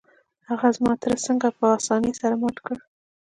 هغې زما تره څنګه په اسانۍ سره مات کړ؟